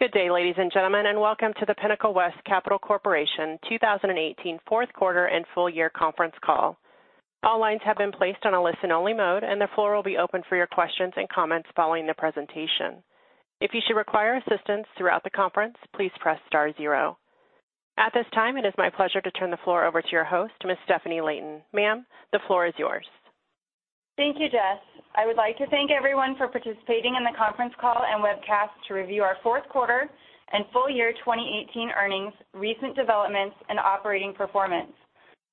Good day, ladies and gentlemen, and welcome to the Pinnacle West Capital Corporation 2018 fourth quarter and full year conference call. All lines have been placed on a listen-only mode, and the floor will be open for your questions and comments following the presentation. If you should require assistance throughout the conference, please press star zero. At this time, it is my pleasure to turn the floor over to your host, Ms. Stefanie Layton. Ma'am, the floor is yours. Thank you, Jess. I would like to thank everyone for participating in the conference call and webcast to review our fourth quarter and full year 2018 earnings, recent developments, and operating performance.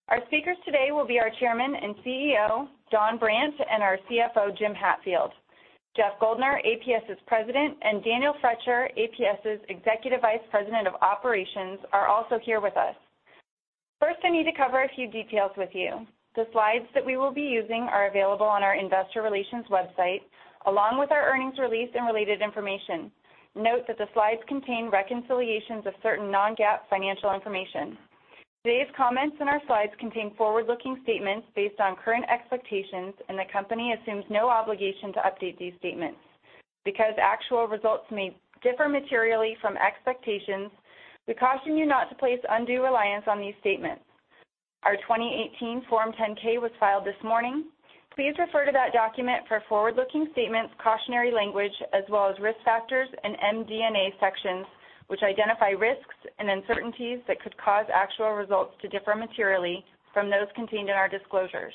Our speakers today will be our Chairman and CEO, Don Brandt, and our CFO, Jim Hatfield. Jeff Guldner, APS's President, and Daniel Froetscher, APS's Executive Vice President of Operations, are also here with us. First, I need to cover a few details with you. The slides that we will be using are available on our investor relations website, along with our earnings release and related information. Note that the slides contain reconciliations of certain non-GAAP financial information. Today's comments and our slides contain forward-looking statements based on current expectations, and the company assumes no obligation to update these statements. Because actual results may differ materially from expectations, we caution you not to place undue reliance on these statements. Our 2018 Form 10-K was filed this morning. Please refer to that document for forward-looking statements, cautionary language, as well as risk factors and MD&A sections, which identify risks and uncertainties that could cause actual results to differ materially from those contained in our disclosures.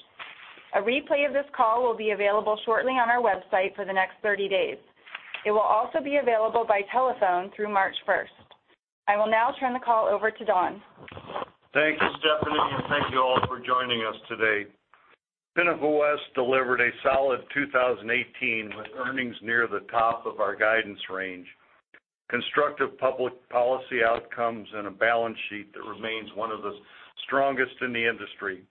A replay of this call will be available shortly on our website for the next 30 days. It will also be available by telephone through March 1st. I will now turn the call over to Don. Thank you, Stefanie, and thank you all for joining us today. Pinnacle West delivered a solid 2018 with earnings near the top of our guidance range, constructive public policy outcomes, and a balance sheet that remains one of the strongest in the industry.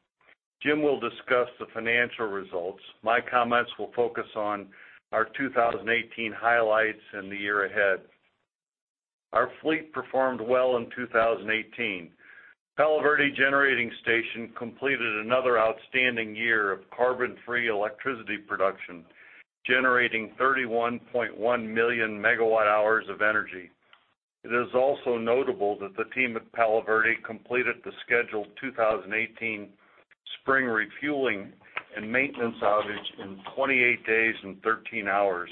Jim will discuss the financial results. My comments will focus on our 2018 highlights and the year ahead. Our fleet performed well in 2018. Palo Verde Generating Station completed another outstanding year of carbon-free electricity production, generating 31.1 million megawatt hours of energy. It is also notable that the team at Palo Verde completed the scheduled 2018 spring refueling and maintenance outage in 28 days and 13 hours,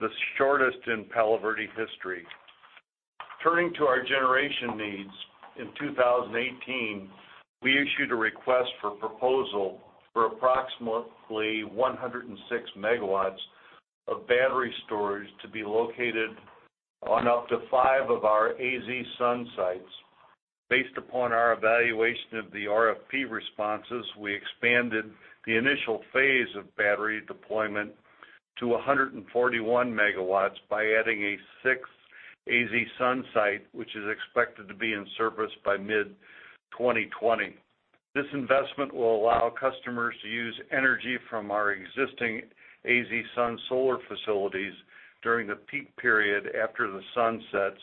the shortest in Palo Verde history. Turning to our generation needs, in 2018, we issued a request for proposal for approximately 106 MW of battery storage to be located on up to five of our AZ Sun sites. Based upon our evaluation of the RFP responses, we expanded the initial phase of battery deployment to 141 MW by adding a sixth AZ Sun site, which is expected to be in service by mid-2020. This investment will allow customers to use energy from our existing AZ Sun solar facilities during the peak period after the sun sets,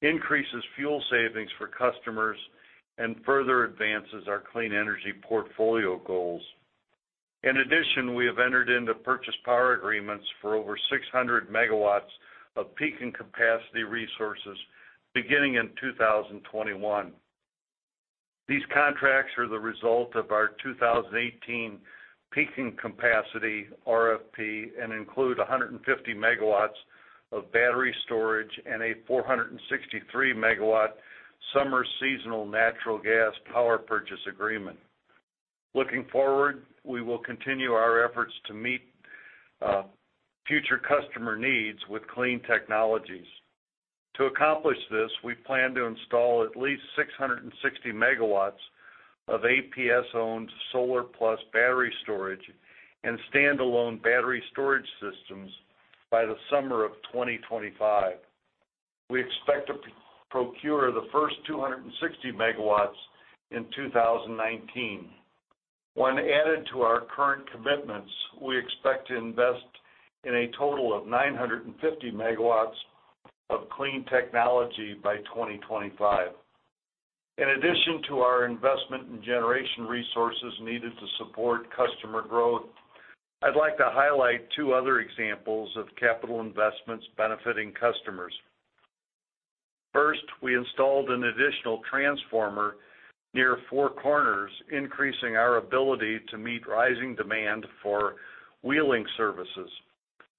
increases fuel savings for customers, and further advances our clean energy portfolio goals. In addition, we have entered into purchase power agreements for over 600 MW of peaking capacity resources beginning in 2021. These contracts are the result of our 2018 peaking capacity RFP and include 150 MW of battery storage and a 463 MW summer seasonal natural gas power purchase agreement. Looking forward, we will continue our efforts to meet future customer needs with clean technologies. To accomplish this, we plan to install at least 660 MW of APS-owned solar plus battery storage and standalone battery storage systems by the summer of 2025. We expect to procure the first 260 MW in 2019. When added to our current commitments, we expect to invest in a total of 950 MW of clean technology by 2025. In addition to our investment in generation resources needed to support customer growth, I'd like to highlight two other examples of capital investments benefiting customers. First, we installed an additional transformer near Four Corners, increasing our ability to meet rising demand for wheeling services.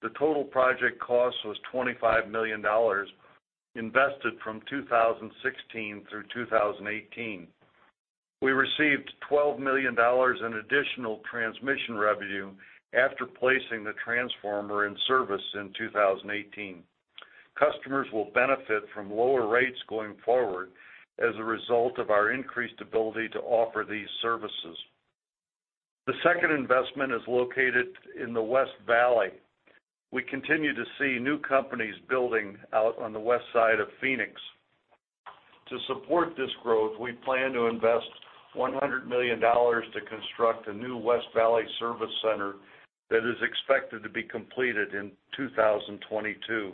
The total project cost was $25 million, invested from 2016 through 2018. We received $12 million in additional transmission revenue after placing the transformer in service in 2018. Customers will benefit from lower rates going forward as a result of our increased ability to offer these services. The second investment is located in the West Valley. We continue to see new companies building out on the west side of Phoenix. To support this growth, we plan to invest $100 million to construct a new West Valley service center that is expected to be completed in 2022.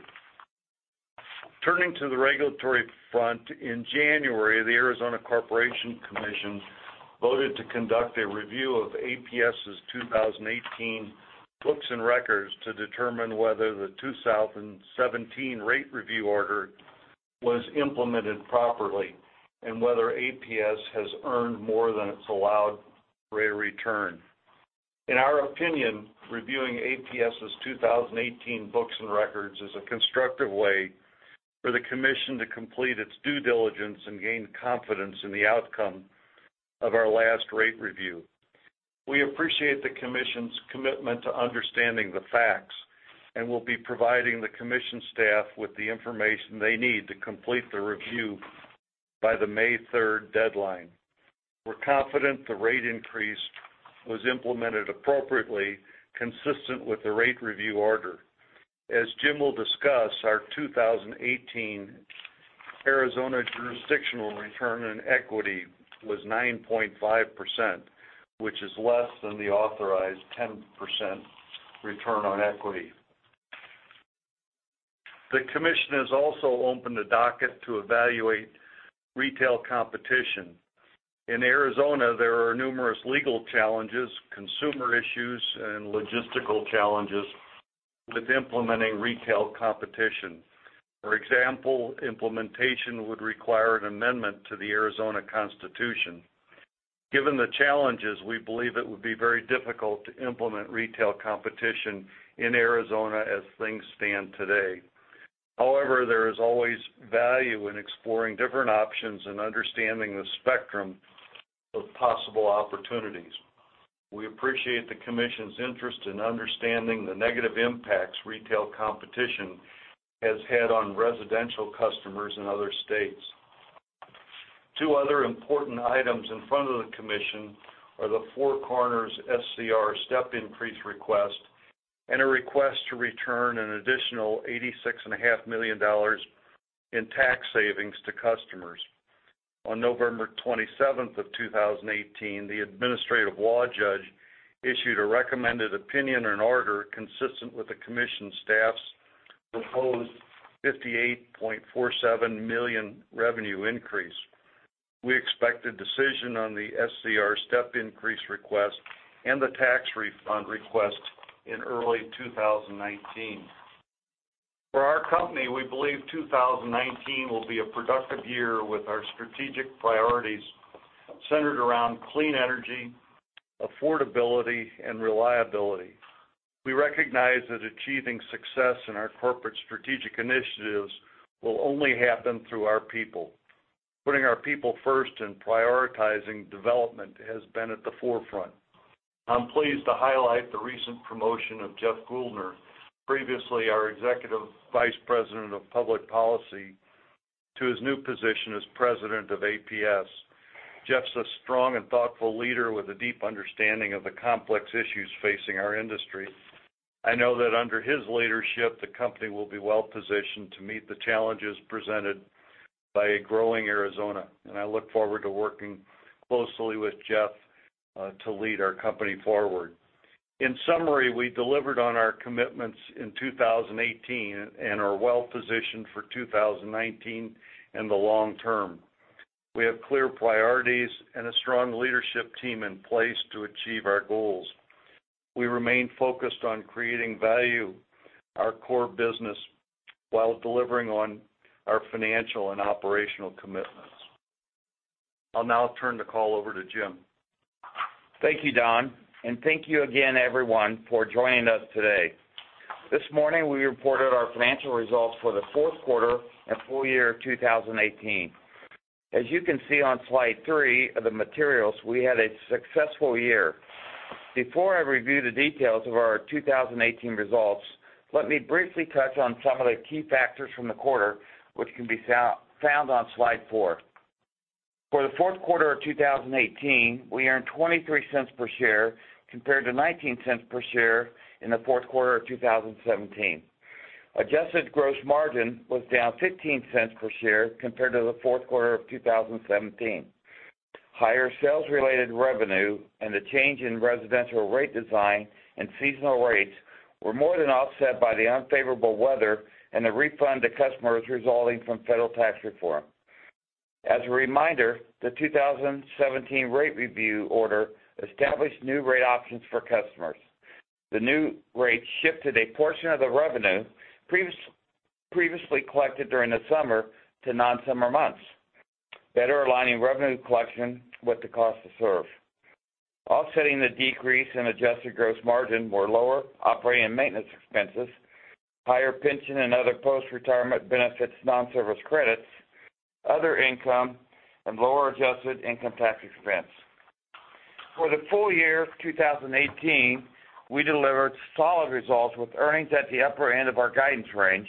Turning to the regulatory front, in January, the Arizona Corporation Commission voted to conduct a review of APS's 2018 books and records to determine whether the 2017 rate review order was implemented properly, and whether APS has earned more than its allowed rate of return. In our opinion, reviewing APS's 2018 books and records is a constructive way for the commission to complete its due diligence and gain confidence in the outcome of our last rate review. We appreciate the commission's commitment to understanding the facts, and we'll be providing the commission staff with the information they need to complete the review by the May 3rd deadline. We're confident the rate increase was implemented appropriately, consistent with the rate review order. As Jim will discuss, our 2018 Arizona jurisdictional return on equity was 9.5%, which is less than the authorized 10% return on equity. The commission has also opened a docket to evaluate retail competition. In Arizona, there are numerous legal challenges, consumer issues, and logistical challenges with implementing retail competition. For example, implementation would require an amendment to the Arizona Constitution. Given the challenges, we believe it would be very difficult to implement retail competition in Arizona as things stand today. However, there is always value in exploring different options and understanding the spectrum of possible opportunities. We appreciate the Commission's interest in understanding the negative impacts retail competition has had on residential customers in other states. Two other important items in front of the Commission are the Four Corners SCR step increase request and a request to return an additional $86.5 million in tax savings to customers. On November 27, 2018, the administrative law judge issued a recommended opinion and order consistent with the Commission staff's proposed $58.47 million revenue increase. We expect a decision on the SCR step increase request and the tax refund request in early 2019. For our company, we believe 2019 will be a productive year with our strategic priorities centered around clean energy, affordability, and reliability. We recognize that achieving success in our corporate strategic initiatives will only happen through our people. Putting our people first and prioritizing development has been at the forefront. I'm pleased to highlight the recent promotion of Jeff Guldner, previously our Executive Vice President of Public Policy, to his new position as President of APS. Jeff's a strong and thoughtful leader with a deep understanding of the complex issues facing our industry. I know that under his leadership, the company will be well-positioned to meet the challenges presented by a growing Arizona, and I look forward to working closely with Jeff, to lead our company forward. In summary, we delivered on our commitments in 2018 and are well-positioned for 2019 and the long term. We have clear priorities and a strong leadership team in place to achieve our goals. We remain focused on creating value in our core business while delivering on our financial and operational commitments. I'll now turn the call over to Jim. Thank you, Don. Thank you again, everyone, for joining us today. This morning, we reported our financial results for the fourth quarter and full year of 2018. As you can see on slide three of the materials, we had a successful year. Before I review the details of our 2018 results, let me briefly touch on some of the key factors from the quarter, which can be found on slide four. For the fourth quarter of 2018, we earned $0.23 per share, compared to $0.19 per share in the fourth quarter of 2017. Adjusted gross margin was down $0.15 per share compared to the fourth quarter of 2017. Higher sales-related revenue and the change in residential rate design and seasonal rates were more than offset by the unfavorable weather and the refund to customers resulting from federal tax reform. As a reminder, the 2017 rate review order established new rate options for customers. The new rates shifted a portion of the revenue previously collected during the summer to non-summer months, better aligning revenue collection with the cost to serve. Offsetting the decrease in adjusted gross margin were lower operating and maintenance expenses, higher pension and other post-retirement benefits non-service credits, other income, and lower adjusted income tax expense. For the full year of 2018, we delivered solid results with earnings at the upper end of our guidance range,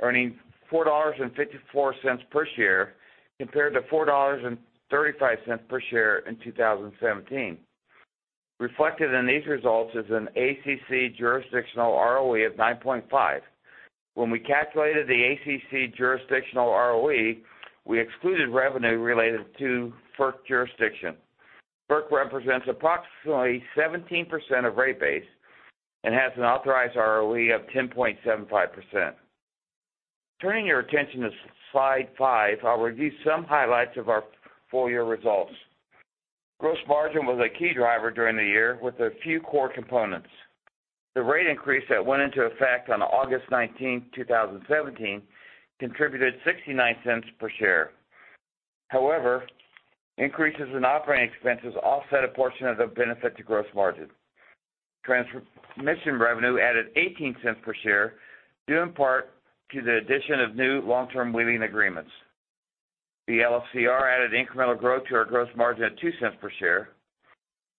earning $4.54 per share compared to $4.35 per share in 2017. Reflected in these results is an ACC jurisdictional ROE of 9.5%. When we calculated the ACC jurisdictional ROE, we excluded revenue related to FERC jurisdiction. FERC represents approximately 17% of rate base and has an authorized ROE of 10.75%. Turning your attention to slide five, I'll review some highlights of our full-year results. Gross margin was a key driver during the year with a few core components. The rate increase that went into effect on August 19th, 2017, contributed $0.69 per share. However, increases in operating expenses offset a portion of the benefit to gross margin. Transmission revenue added $0.18 per share, due in part to the addition of new long-term wheeling agreements. The LFCR added incremental growth to our gross margin at $0.02 per share.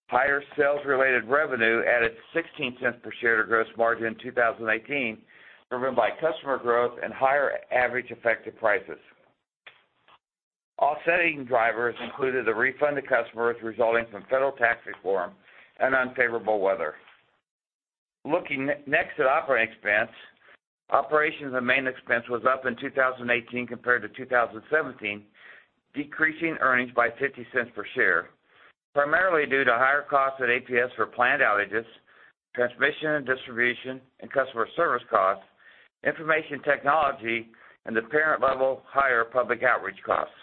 Higher sales-related revenue added $0.16 per share to gross margin in 2018, driven by customer growth and higher average effective prices. Offsetting drivers included a refund to customers resulting from federal tax reform and unfavorable weather. Looking next at operating expense, operations and main expense was up in 2018 compared to 2017, decreasing earnings by $0.50 per share, primarily due to higher costs at APS for planned outages, transmission and distribution, and customer service costs, information technology, and the parent-level higher public outreach costs.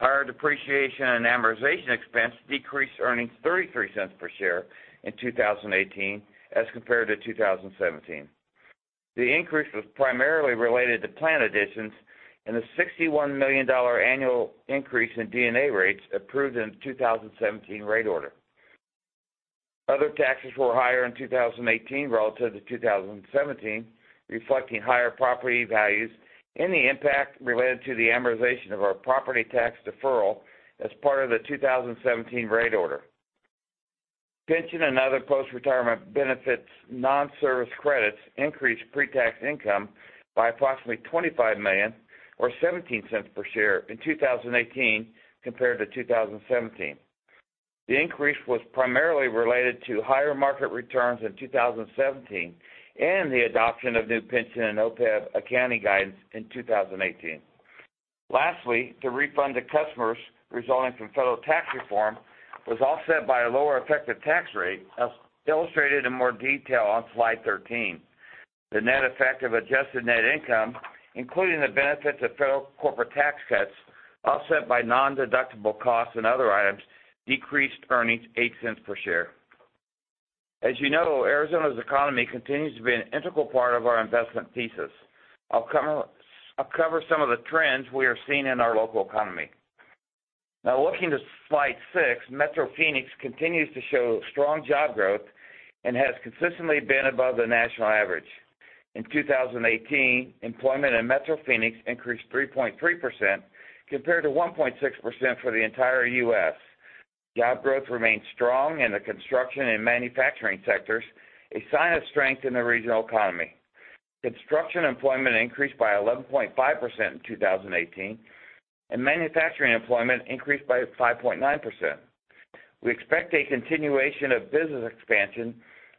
Higher depreciation and amortization expense decreased earnings $0.33 per share in 2018 as compared to 2017. The increase was primarily related to plant additions and a $61 million annual increase in D&A rates approved in the 2017 rate order. Other taxes were higher in 2018 relative to 2017, reflecting higher property values and the impact related to the amortization of our property tax deferral as part of the 2017 rate order. Pension and other post-retirement benefits non-service credits increased pre-tax income by approximately $25 million or $0.17 per share in 2018 compared to 2017. The increase was primarily related to higher market returns in 2017 and the adoption of new pension and OPEB accounting guidance in 2018. Lastly, the refund to customers resulting from federal tax reform was offset by a lower effective tax rate, illustrated in more detail on slide 13. The net effect of adjusted net income, including the benefit to federal corporate tax cuts offset by non-deductible costs and other items, decreased earnings $0.08 per share. As you know, Arizona's economy continues to be an integral part of our investment thesis. I'll cover some of the trends we are seeing in our local economy. Looking to slide six, Metro Phoenix continues to show strong job growth and has consistently been above the national average. In 2018, employment in Metro Phoenix increased 3.3% compared to 1.6% for the entire U.S. Job growth remains strong in the construction and manufacturing sectors, a sign of strength in the regional economy. Construction employment increased by 11.5% in 2018, and manufacturing employment increased by 5.9%. We expect a continuation of business expansion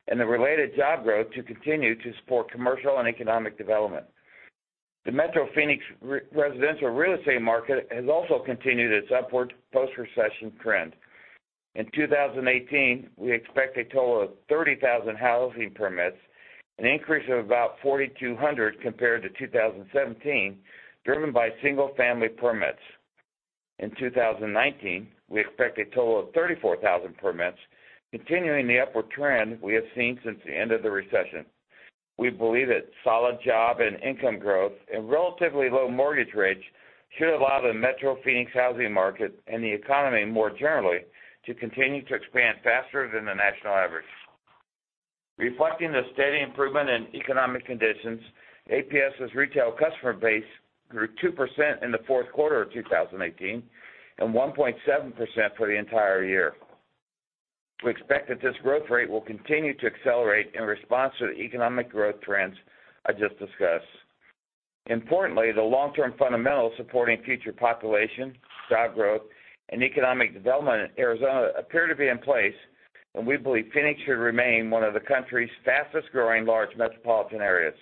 and the related job growth to continue to support commercial and economic development. The Metro Phoenix residential real estate market has also continued its upward post-recession trend. In 2018, we expect a total of 30,000 housing permits, an increase of about 4,200 compared to 2017, driven by single-family permits. In 2019, we expect a total of 34,000 permits, continuing the upward trend we have seen since the end of the recession. We believe that solid job and income growth and relatively low mortgage rates should allow the Metro Phoenix housing market and the economy more generally to continue to expand faster than the national average. Reflecting the steady improvement in economic conditions, APS's retail customer base grew 2% in the fourth quarter of 2018 and 1.7% for the entire year. We expect that this growth rate will continue to accelerate in response to the economic growth trends I just discussed. Importantly, the long-term fundamentals supporting future population, job growth, and economic development in Arizona appear to be in place, and we believe Phoenix should remain one of the country's fastest-growing large metropolitan areas.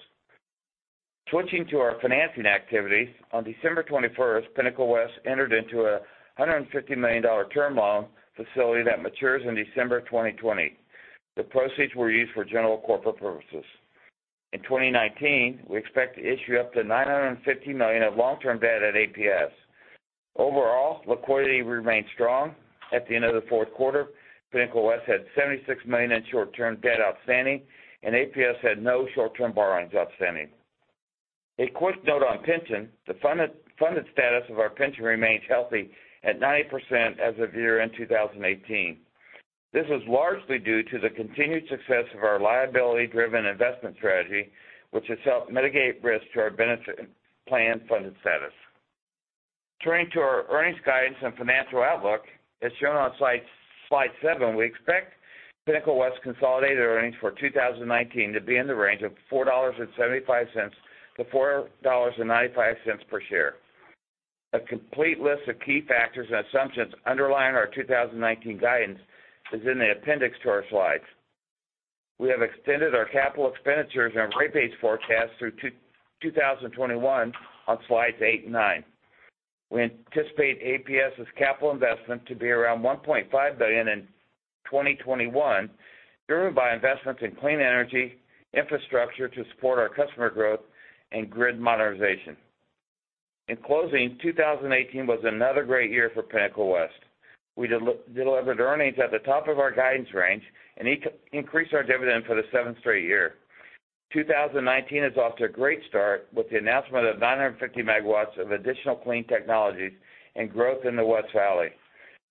Switching to our financing activities, on December 21st, Pinnacle West entered into a $150 million term loan facility that matures in December 2020. The proceeds were used for general corporate purposes. In 2019, we expect to issue up to $950 million of long-term debt at APS. Overall, liquidity remains strong. At the end of the fourth quarter, Pinnacle West had $76 million in short-term debt outstanding, and APS had no short-term borrowings outstanding. A quick note on pension. The funded status of our pension remains healthy at 90% as of year-end 2018. This is largely due to the continued success of our liability-driven investment strategy, which has helped mitigate risk to our benefit plan-funded status. Turning to our earnings guidance and financial outlook, as shown on slide seven, we expect Pinnacle West's consolidated earnings for 2019 to be in the range of $4.75-$4.95 per share. A complete list of key factors and assumptions underlying our 2019 guidance is in the appendix to our slides. We have extended our capital expenditures and rate base forecast through 2021 on slides eight and nine. We anticipate APS's capital investment to be around $1.5 billion in 2021, driven by investments in clean energy infrastructure to support our customer growth and grid modernization. In closing, 2018 was another great year for Pinnacle West. We delivered earnings at the top of our guidance range and increased our dividend for the seventh straight year. 2019 is off to a great start with the announcement of 950 MW of additional clean technologies and growth in the West Valley.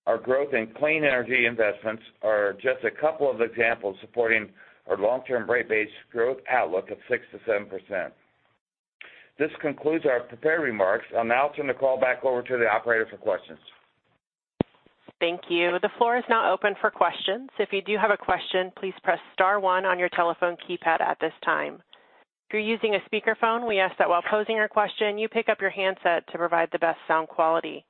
Our growth in clean energy investments are just a couple of examples supporting our long-term rate base growth outlook of 6%-7%. This concludes our prepared remarks. I'll now turn the call back over to the operator for questions. Thank you. The floor is now open for questions. If you do have a question, please press star one on your telephone keypad at this time. If you're using a speakerphone, we ask that while posing your question, you pick up your handset to provide the best sound quality.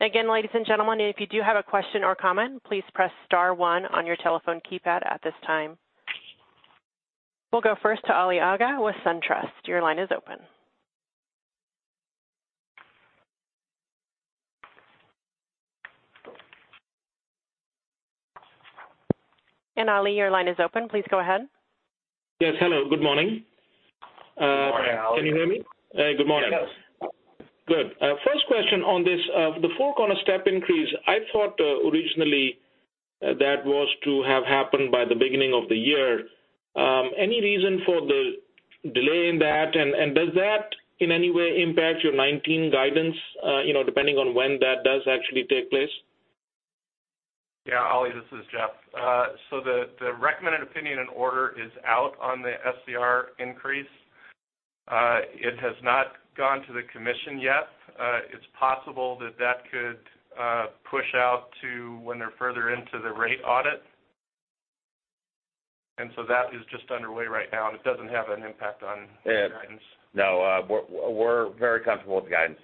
Again, ladies and gentlemen, if you do have a question or comment, please press star one on your telephone keypad at this time. We'll go first to Ali Agha with SunTrust. Your line is open. Ali, your line is open. Please go ahead. Yes. Hello, good morning. Good morning, Ali. Can you hear me? Good morning. Yes. Good. First question on this, the Four Corners step increase. I thought originally that was to have happened by the beginning of the year. Any reason for the delay in that, and does that in any way impact your 2019 guidance, depending on when that does actually take place? Yeah, Ali, this is Jeff. The recommended opinion and order is out on the SCR increase. It has not gone to the Commission yet. It's possible that that could push out to when they're further into the rate audit. That is just underway right now, and it doesn't have an impact on the guidance. No, we're very comfortable with the guidance.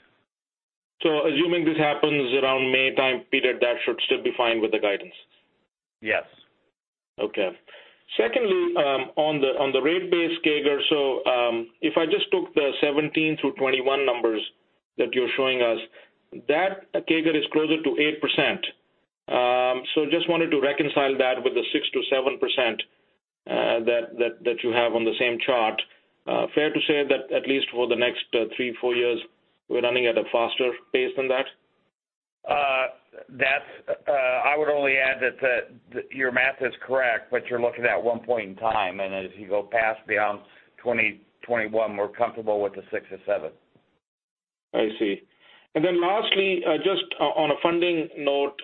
Assuming this happens around May time period, that should still be fine with the guidance? Yes. Okay. Secondly, on the rate base CAGR, if I just took the 2017 through 2021 numbers that you're showing us, that CAGR is closer to 8%. Just wanted to reconcile that with the 6%-7% that you have on the same chart. Fair to say that at least for the next three, four years, we're running at a faster pace than that? I would only add that your math is correct, but you're looking at one point in time. As you go past beyond 2021, we're comfortable with the 6%-7%. I see. Lastly, just on a funding note,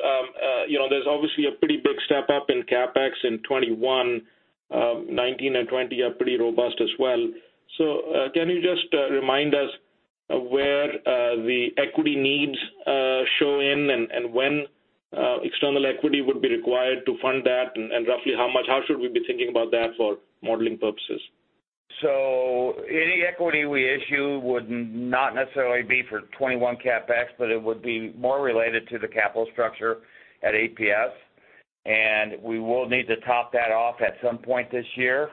there's obviously a pretty big step-up in CapEx in 2021, 2019 and 2020 are pretty robust as well. Can you just remind us where the equity needs show in, and when external equity would be required to fund that, and roughly how should we be thinking about that for modeling purposes? Any equity we issue would not necessarily be for 2021 CapEx, but it would be more related to the capital structure at APS, and we will need to top that off at some point this year.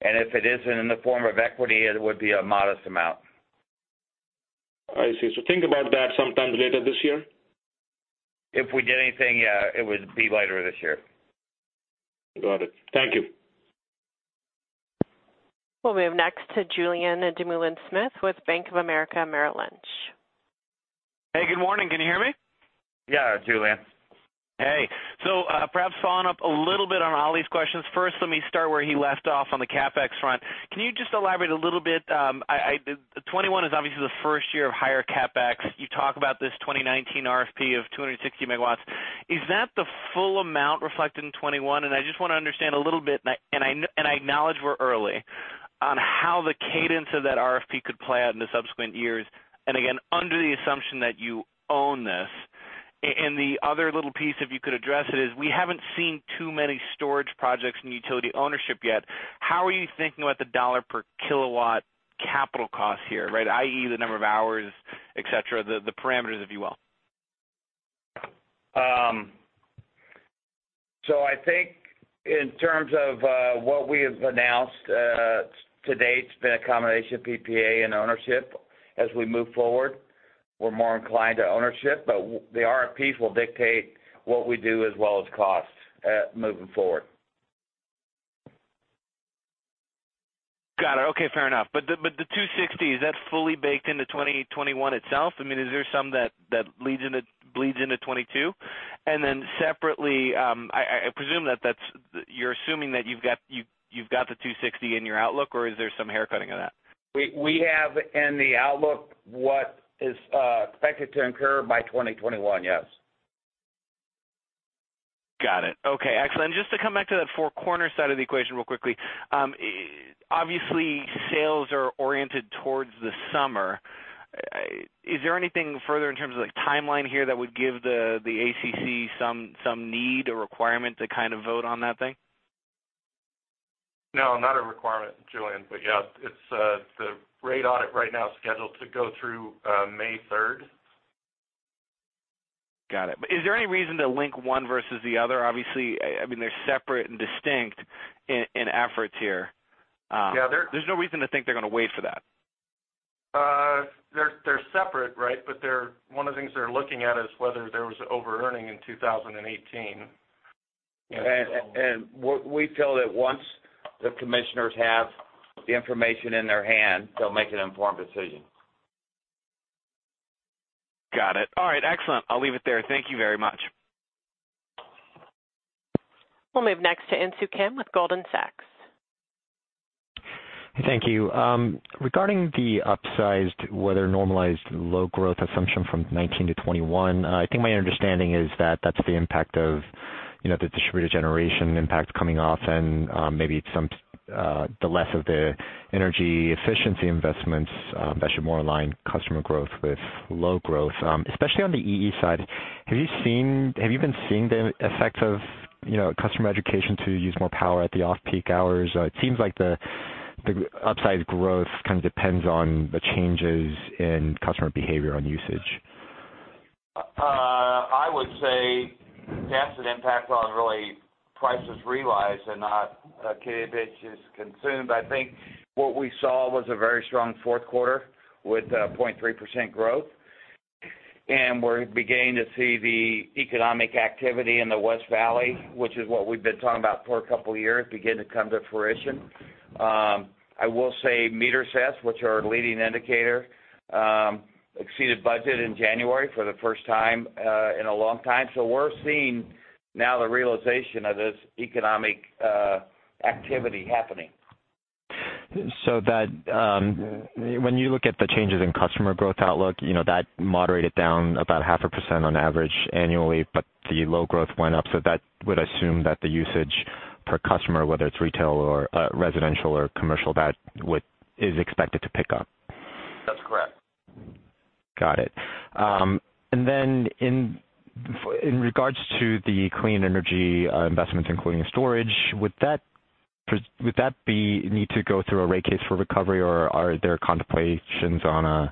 If it isn't in the form of equity, it would be a modest amount. I see. Think about that sometime later this year? If we did anything, yeah, it would be later this year. Got it. Thank you. We'll move next to Julien Dumoulin-Smith with Bank of America Merrill Lynch. Hey, good morning. Can you hear me? Yeah, Julien. Hey. Perhaps following up a little bit on Ali's questions, first, let me start where he left off on the CapEx front. Can you just elaborate a little bit? 2021 is obviously the first year of higher CapEx. You talk about this 2019 RFP of 260 MW. Is that the full amount reflected in 2021? I just want to understand a little bit, and I acknowledge we're early, on how the cadence of that RFP could play out in the subsequent years, and again, under the assumption that you own this. The other little piece, if you could address it, is we haven't seen too many storage projects in utility ownership yet. How are you thinking about the dollar per kilowatt capital cost here, right? i.e., the number of hours, et cetera, the parameters, if you will. I think in terms of what we have announced to date, it's been a combination of PPA and ownership. As we move forward, we're more inclined to ownership, but the RFPs will dictate what we do as well as costs moving forward. Got it. Okay, fair enough. The 260, is that fully baked into 2021 itself? I mean, is there some that bleeds into 2022? Separately, I presume that you're assuming that you've got the 260 in your outlook, or is there some haircutting of that? We have in the outlook what is expected to incur by 2021, yes. Got it. Okay, excellent. Just to come back to that Four Corners side of the equation real quickly. Obviously, sales are oriented towards the summer. Is there anything further in terms of timeline here that would give the ACC some need or requirement to kind of vote on that thing? No, not a requirement, Julien. Yeah, the rate audit right now is scheduled to go through May 3rd. Got it. Is there any reason to link one versus the other? Obviously, they're separate and distinct in efforts here. Yeah. There's no reason to think they're going to wait for that. They're separate, right. One of the things they're looking at is whether there was overearning in 2018. We feel that once the commissioners have the information in their hand, they'll make an informed decision. Got it. All right. Excellent. I'll leave it there. Thank you very much. We'll move next to Insoo Kim with Goldman Sachs. Thank you. Regarding the upsized weather-normalized load growth assumption from 2019 to 2021, I think my understanding is that that's the impact of the distributed generation impact coming off and maybe the less of the energy efficiency investments that should more align customer growth with load growth. Especially on the EE side, have you been seeing the effects of customer education to use more power at the off-peak hours? It seems like the upsized growth kind of depends on the changes in customer behavior on usage. I would say that's an impact on really prices realized and not a kWh that's consumed. I think what we saw was a very strong fourth quarter with 0.3% growth. We're beginning to see the economic activity in the West Valley, which is what we've been talking about for a couple of years, begin to come to fruition. I will say meter sets, which are a leading indicator, exceeded budget in January for the first time in a long time. We're seeing now the realization of this economic activity happening. When you look at the changes in customer growth outlook, that moderated down about half a % on average annually, the load growth went up. That would assume that the usage per customer, whether it's retail or residential or commercial, that is expected to pick up. That's correct. Got it. In regards to the clean energy investments, including storage, would that need to go through a rate case for recovery, or are there contemplations on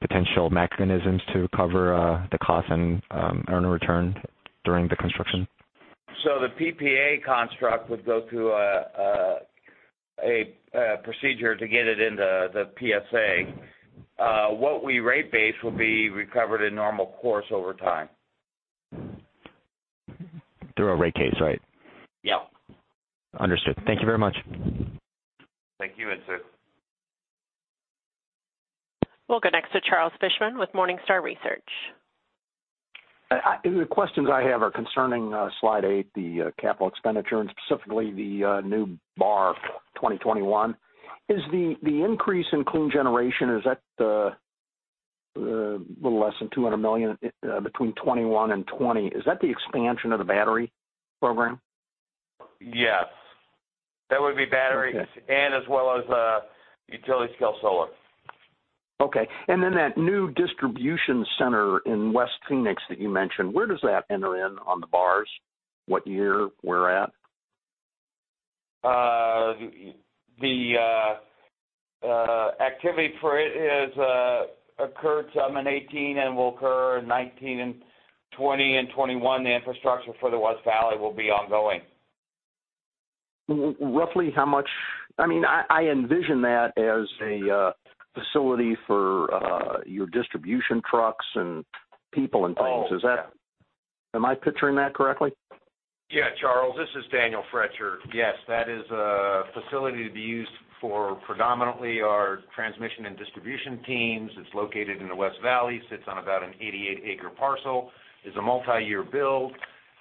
potential mechanisms to cover the cost and earn a return during the construction? The PPA construct would go through a procedure to get it into the PSA. What we rate base would be recovered in normal course over time. Through a rate case, right? Yeah. Understood. Thank you very much. Thank you, Insoo. We'll go next to Charles Fishman with Morningstar Research. The questions I have are concerning slide eight, the capital expenditure, and specifically the new bar for 2021. The increase in clean generation, is that the little less than $200 million between 2021 and 2020, is that the expansion of the battery program? Yes. That would be battery and as well as utility scale solar. Okay. That new distribution center in west Phoenix that you mentioned, where does that enter in on the bars? What year, where at? The activity for it has occurred some in 2018 and will occur in 2019 and 2020 and 2021. The infrastructure for the West Valley will be ongoing. Roughly how much? I envision that as a facility for your distribution trucks and people and things. Oh, yeah. Am I picturing that correctly? Yeah, Charles, this is Daniel Froetscher. Yes, that is a facility to be used for predominantly our transmission and distribution teams. It's located in the West Valley, sits on about an 88-acre parcel. It's a multi-year build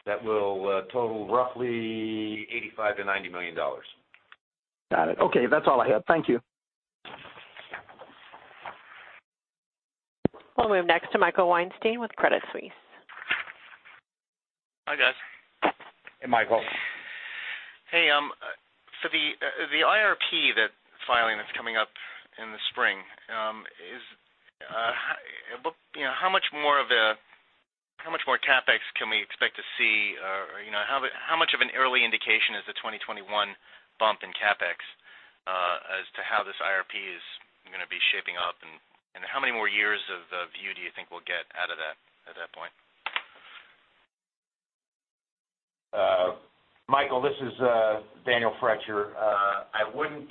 that will total roughly $85 million-$90 million. Got it. Okay. That's all I have. Thank you. We'll move next to Michael Weinstein with Credit Suisse. Hi, guys. Hey, Michael. Hey, for the IRP filing that's coming up in the spring, how much more CapEx can we expect to see? How much of an early indication is the 2021 bump in CapEx as to how this IRP is going to be shaping up, and how many more years of view do you think we'll get out of that at that point? Michael, this is Daniel Froetscher. I wouldn't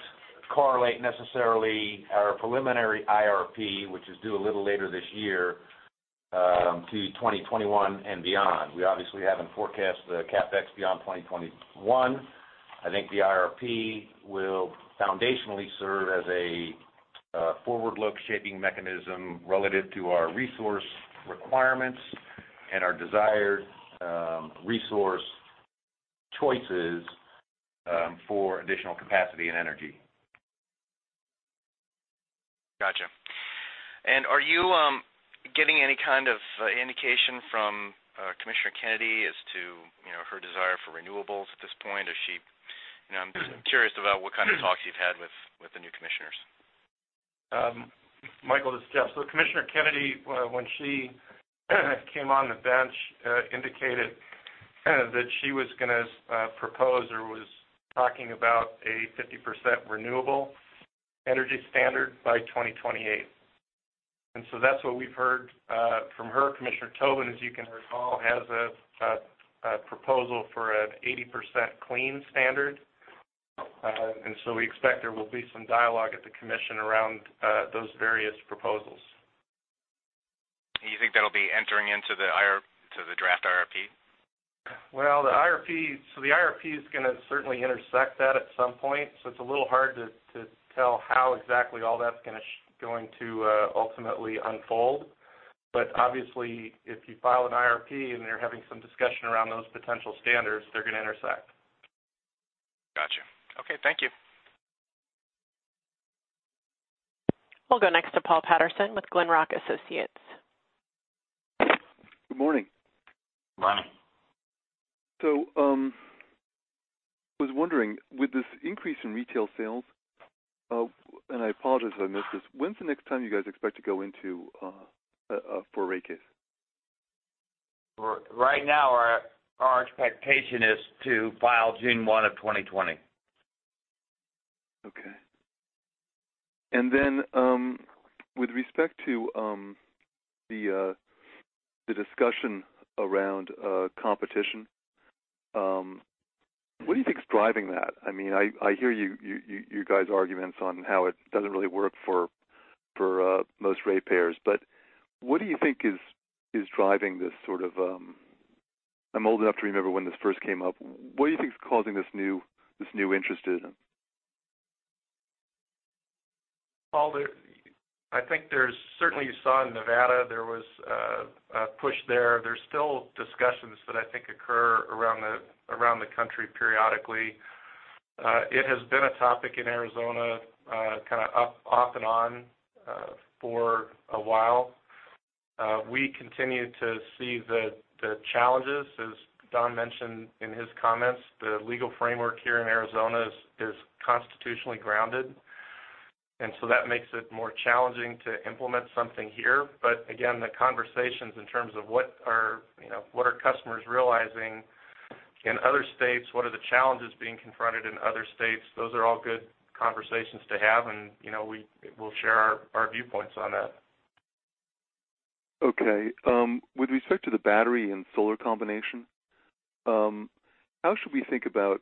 correlate necessarily our preliminary IRP, which is due a little later this year, to 2021 and beyond. We obviously haven't forecast the CapEx beyond 2021. I think the IRP will foundationally serve as a forward-looking shaping mechanism relative to our resource requirements and our desired resource choices for additional capacity and energy. Got you. Are you getting any kind of indication from Commissioner Kennedy as to her desire for renewables at this point? I'm just curious about what kind of talks you've had with the new commissioners. Michael, this is Jeff. Commissioner Kennedy, when she came on the bench, indicated. That she was going to propose or was talking about a 50% renewable energy standard by 2028. That's what we've heard from her. Commissioner Tobin, as you can recall, has a proposal for an 80% clean standard. We expect there will be some dialogue at the commission around those various proposals. Do you think that'll be entering into the draft IRP? Well, the IRP is going to certainly intersect that at some point. It's a little hard to tell how exactly all that's going to ultimately unfold. Obviously, if you file an IRP and they're having some discussion around those potential standards, they're going to intersect. Got you. Okay. Thank you. We'll go next to Paul Patterson with Glenrock Associates. Good morning. Morning. I was wondering, with this increase in retail sales, and I apologize if I missed this, when's the next time you guys expect to go for a rate case? Right now, our expectation is to file June 1 of 2020. Okay. With respect to the discussion around competition, what do you think is driving that? I hear you guys' arguments on how it doesn't really work for most rate payers. What do you think is driving this sort of I'm old enough to remember when this first came up. What do you think is causing this new interest in them? Paul, I think there's certainly, you saw in Nevada there was a push there. There's still discussions that I think occur around the country periodically. It has been a topic in Arizona kind of off and on for a while. We continue to see the challenges, as Don mentioned in his comments. The legal framework here in Arizona is constitutionally grounded, that makes it more challenging to implement something here. Again, the conversations in terms of what are customers realizing in other states, what are the challenges being confronted in other states, those are all good conversations to have, and we'll share our viewpoints on that. Okay. With respect to the battery and solar combination, how should we think about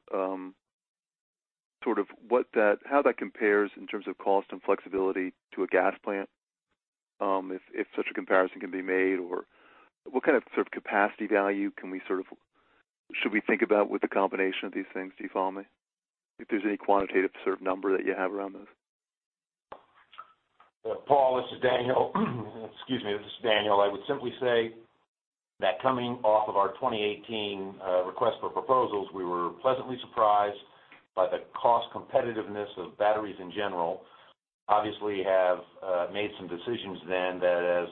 how that compares in terms of cost and flexibility to a gas plant, if such a comparison can be made? What kind of sort of capacity value should we think about with the combination of these things? Do you follow me? If there's any quantitative sort of number that you have around those. Paul, this is Daniel. Excuse me. This is Daniel. I would simply say that coming off of our 2018 request for proposals, we were pleasantly surprised by the cost competitiveness of batteries in general. Obviously have made some decisions then that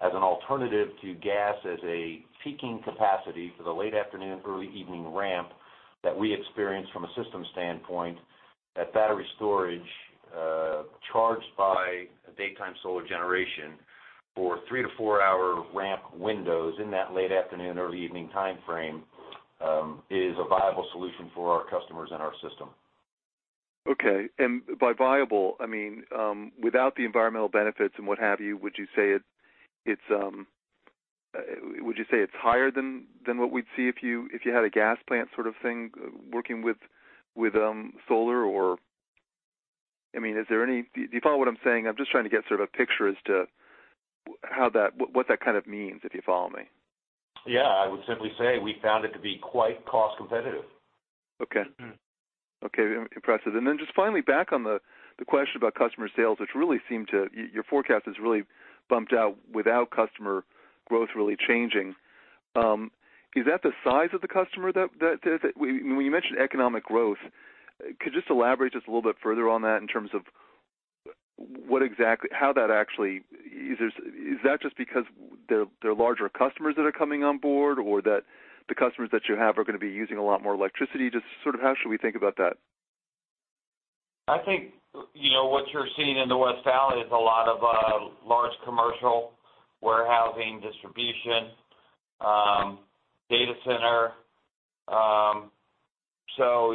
as an alternative to gas as a peaking capacity for the late afternoon, early evening ramp that we experience from a system standpoint, that battery storage charged by daytime solar generation for three to four-hour ramp windows in that late afternoon, early evening timeframe, is a viable solution for our customers and our system. Okay. By viable, I mean, without the environmental benefits and what have you, would you say it's higher than what we'd see if you had a gas plant sort of thing working with solar or do you follow what I'm saying? I'm just trying to get sort of a picture as to what that kind of means, if you follow me. Yeah. I would simply say we found it to be quite cost competitive. Okay. Impressive. Just finally back on the question about customer sales, your forecast has really bumped out without customer growth really changing. Is that the size of the customer that does it? When you mentioned economic growth, could you just elaborate just a little bit further on that in terms of how that actually, is that just because they're larger customers that are coming on board or that the customers that you have are going to be using a lot more electricity? Just sort of how should we think about that? I think what you're seeing in the West Valley is a lot of large commercial warehousing, distribution, data center.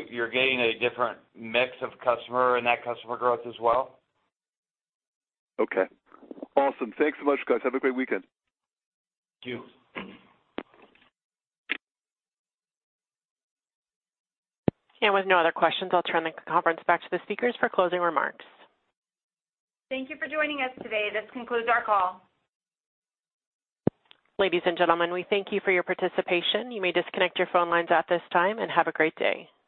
You're getting a different mix of customer and that customer growth as well. Okay. Awesome. Thanks so much, guys. Have a great weekend. Thank you. With no other questions, I'll turn the conference back to the speakers for closing remarks. Thank you for joining us today. This concludes our call. Ladies and gentlemen, we thank you for your participation. You may disconnect your phone lines at this time, and have a great day.